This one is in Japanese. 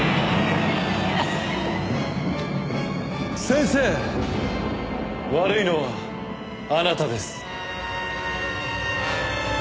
先生悪いのはあなたです。